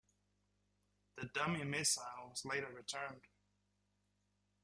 The dummy missile was later returned.